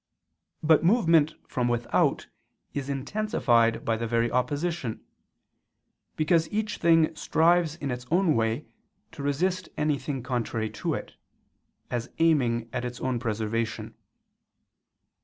But movement from without is intensified by the very opposition: because each thing strives in its own way to resist anything contrary to it, as aiming at its own preservation.